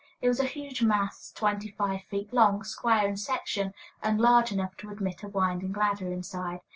It was a huge mass twenty five feet long, square in section, and large enough to admit a winding ladder inside.